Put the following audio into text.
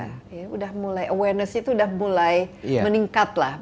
awarenessnya itu sudah mulai meningkatlah bahwa ini adalah sesuatu yang semakin sering kita alami